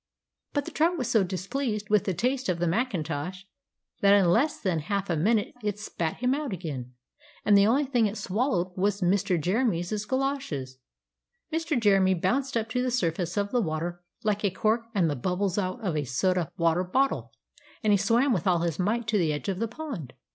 But the trout was so displeased with the taste of the macintosh, that in less than half a minute it spat him out again; and the only thing it swallowed was Mr. Jeremy's goloshes. Mr. Jeremy bounced up to the surface of the water, like a cork and the bubbles out of a soda water bottle; and he swam with all his might to the edge of the pond.